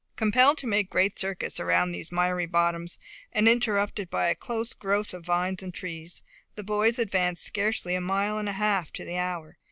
Compelled to make great circuits around these miry bottoms, and interrupted by a close growth of vines and trees, the boys advanced scarcely a mile and a half to the hour.